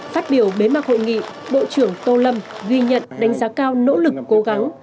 phát biểu bế mạc hội nghị bộ trưởng tô lâm ghi nhận đánh giá cao nỗ lực cố gắng